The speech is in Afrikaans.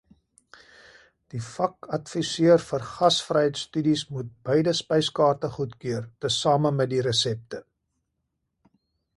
Die vakadviseur vir Gasvryheidstudies moet beide spyskaarte goedkeur, tesame met die resepte.